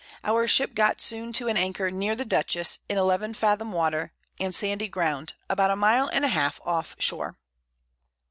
Our Ship got soon to an Anchor near the Dutchess, in 11 Fathom Water and sandy Ground, about a Mile and a half off Shore.